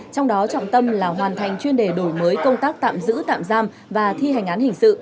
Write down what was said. trong đó trọng tâm là hoàn thành chuyên đề đổi mới công tác tạm giữ tạm giam và thi hành án hình sự